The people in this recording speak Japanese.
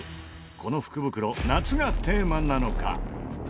この福袋夏がテーマなのか？